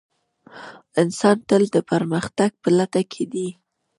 انسان تل د پرمختګ په لټه کې دی.